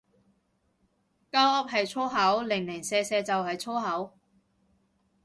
鳩噏係粗口，零零舍舍就係粗口